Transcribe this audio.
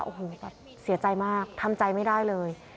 โอ้โหแบบเสียใจมากทำใจไม่ได้เลย